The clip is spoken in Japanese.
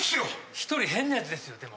１人変なやつですよ、でも。